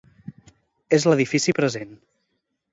És l'edifici present.